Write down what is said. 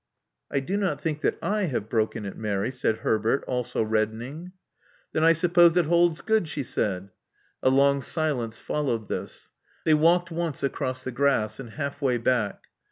I do not think that /have broken it, Mary," said Herbert, also reddening. Then I suppose it holds good," she said. A long silence followed this. They walked once across the grass, and half way back.